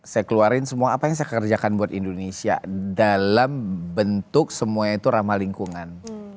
saya keluarin semua apa yang saya kerjakan buat indonesia dalam bentuk semuanya itu ramah lingkungan